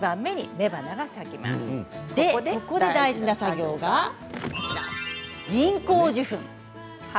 ここで大事な作業は人工授粉。